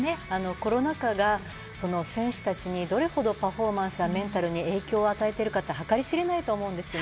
コロナ禍が選手達にどれほどパフォーマンスやメンタルに影響を与えてるかって、計り知れないと思うんですね。